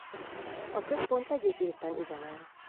A központ egész évben üzemel.